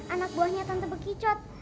anak buahnya tante bekicot